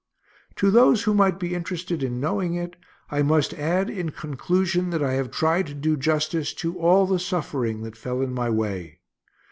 To those who might be interested in knowing it, I must add, in conclusion, that I have tried to do justice to all the suffering that fell in my way.